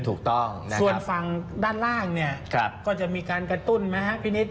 ถูกต้องส่วนฝั่งด้านล่างเนี่ยก็จะมีการกระตุ้นไหมครับพี่นิด